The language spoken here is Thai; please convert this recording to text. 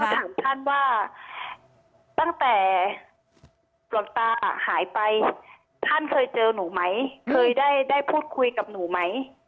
ถามท่านว่าตั้งแต่หลวงตาหายไปท่านเคยเจอหนูไหมเคยได้พูดคุยกับหนูไหม